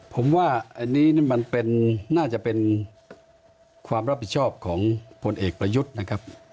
ผมว่าอันนี้มันเป็นน่าจะเป็นความรับผิดชอบของผลเอกประยุทธ์นะครับ